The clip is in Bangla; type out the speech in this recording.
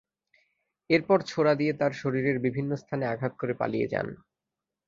এরপর ছোরা দিয়ে তাঁর শরীরের বিভিন্ন স্থানে আঘাত করে পালিয়ে যান।